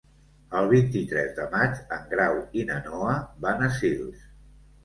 El vint-i-tres de maig en Grau i na Noa van a Sils.